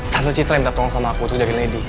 tante citra yang minta tolong sama aku untuk jaga lady